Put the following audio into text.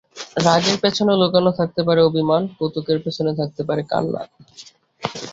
রাগের পেছনে লুকানো থাকতে পারে অভিমান, কৌতুকের পেছনে থাকতে পারে কান্না।